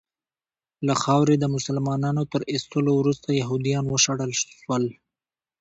له خاورې د مسلمانانو تر ایستلو وروسته یهودیان وشړل سول.